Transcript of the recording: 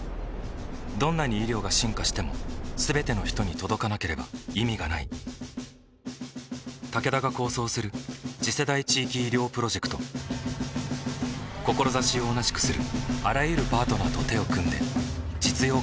どんなに医療が進化しても全ての人に届かなければ意味がないタケダが構想する次世代地域医療プロジェクト志を同じくするあらゆるパートナーと手を組んで実用化に挑む